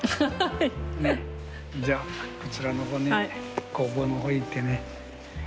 じゃあこちらの方に工房の方へ行ってね。